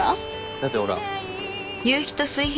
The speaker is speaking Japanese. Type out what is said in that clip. だってほら。